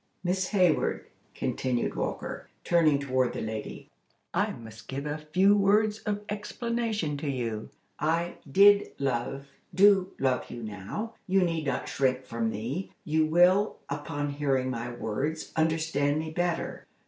"Miss Hayward," continued Walker, turning toward the lady, "I must give a few words of explanation to you. I did love—do love you now. You need not shrink from me. You will, upon hearing my words, understand me better.